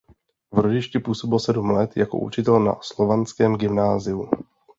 V rodišti působil sedm let jako učitel na Slovanském gymnáziu.